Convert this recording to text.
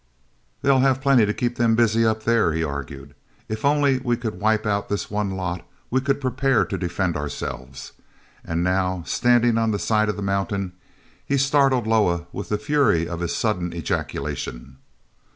"They'll have plenty to keep them busy up there," he argued. "If only we could wipe out this one lot we could prepare to defend ourselves." And now, standing on the side of the mountain, he startled Loah with the fury of his sudden ejaculation.